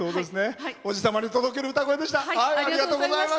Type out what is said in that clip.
おじ様に届ける歌声でした。